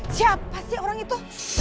siapa sih orang itu